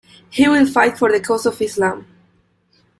He will fight for the cause of Islam.